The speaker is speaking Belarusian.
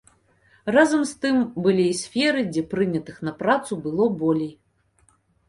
Разам з тым былі і сферы, дзе прынятых на працу было болей.